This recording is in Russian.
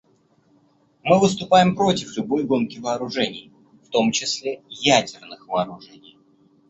Мы выступаем против любой гонки вооружений, в том числе ядерных вооружений.